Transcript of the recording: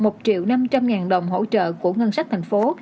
một triệu năm trăm linh ngàn đồng hỗ trợ của ngân sách thành phố